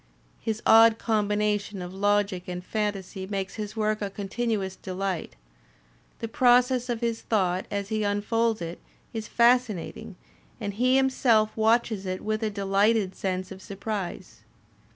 His odd combination of logic and fantasy makes his work a continuous delight; the process of his thought as he unfolds it is fascinating, and he himself watches it with a deUghted sense of surprise.